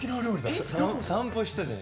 散歩したじゃん。